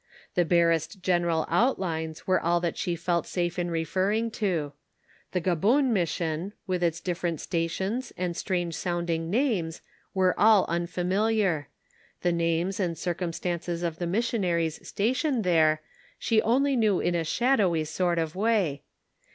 The barest general outlines were all that she felt safe in referring to. The Gaboon Mission, with its different sta tions and strange sounding names, were all unfamiliar ; the names and circumstances of the missionaries stationed there she only knew in a shadowy sort of way.